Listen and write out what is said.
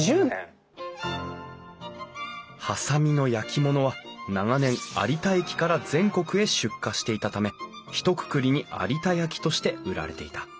波佐見の焼き物は長年有田駅から全国へ出荷していたためひとくくりに有田焼として売られていた。